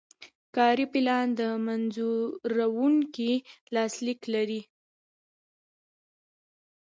کاري پلان د منظوروونکي لاسلیک لري.